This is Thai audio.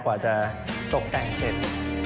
กว่าจะตกแต่งเสร็จ